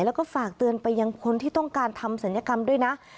แล้วก็ฝากเตือนไปยังคนที่ต้องการทำศัลยกรรมด้วยนะ